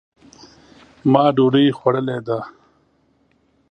ما ډوډۍ خوړلې ده